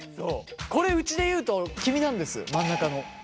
これうちでいうと君なんです真ん中の。